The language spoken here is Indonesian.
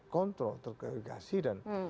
kontrol terkoneksi dan